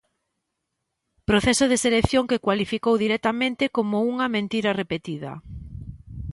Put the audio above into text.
Proceso de selección que cualificou directamente como unha "mentira repetida".